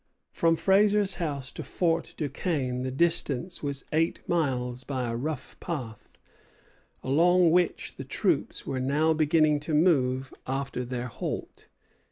From Fraser's house to Fort Duquesne the distance was eight miles by a rough path, along which the troops were now beginning to move after their halt.